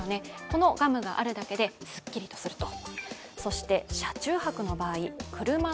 このガムがあるだけですっきりとすると。